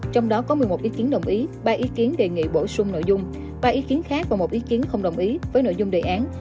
trong đó có một mươi một ý kiến đồng ý ba ý kiến đề nghị bổ sung nội dung ba ý kiến khác và một ý kiến không đồng ý với nội dung đề án